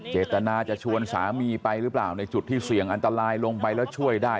เจตนาจะชวนสามีไปหรือเปล่าในจุดที่เสี่ยงอันตรายลงไปแล้วช่วยได้